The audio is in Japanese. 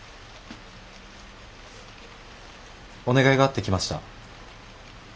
お願いがあって来ました。